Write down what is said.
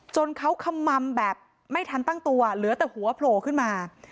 จนเขาขมัมแบบไม่ทันตั้งตัวเหลือแต่หัวโผล่ขึ้นมา